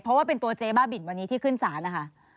เพราะว่าเป็นตัวเจ๊บ้าบินวันนี้ที่ขึ้นศาลนะคะ